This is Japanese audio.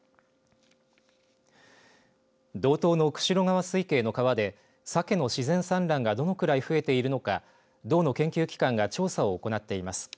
道東の釧路川水系の川でさけの自然産卵がどのくらい増えているのか道の研究機関が調査を行っています。